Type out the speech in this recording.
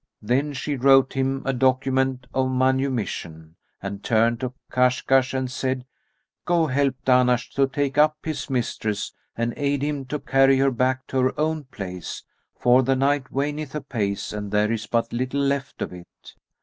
Then she wrote him a document of manumission and turned to Kashkash and said, "Go, help Dahnash to take up his mistress and aid him to carry her back to her own place, for the night waneth apace and there is but little left of it."